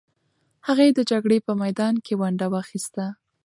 هغې د جګړې په میدان کې ونډه واخیسته.